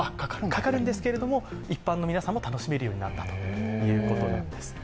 かかるんですけども、一般の皆さんも楽しめるようになったということなんです。